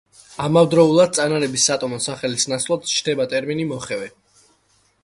ამავდროულად წანარების სატომო სახელის ნაცვლად ჩნდება ტერმინი „მოხევე“.